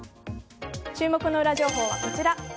注目の裏情報、こちら。